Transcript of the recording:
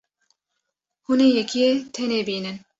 Hûn ê yekê tenê bînin.